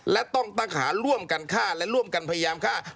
และต้องตั้งหาร่วมกันฆ่าและร่วมกันพยายามฆ่า